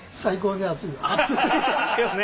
暑いですよね。